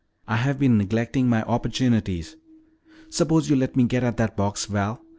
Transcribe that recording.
I have been neglecting my opportunities. Suppose you let me get at that box, Val.